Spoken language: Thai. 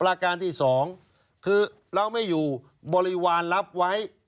ราการที่๒คือเราไม่อยู่บริวารรับไว้